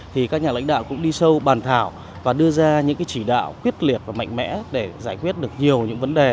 thì các nhà lãnh đạo cũng đi sâu bàn thảo và đưa ra những chỉ đạo quyết liệt và mạnh mẽ để giải quyết được nhiều những vấn đề